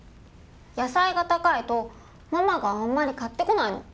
野菜が高いとママがあんまり買ってこないの。